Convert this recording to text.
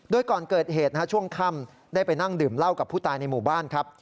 โดยก่อนเกิดเหตุช่วงค่ำได้ไปนั่งดื่มเหล้ากับผู้ตายในหมู่บ้านครับ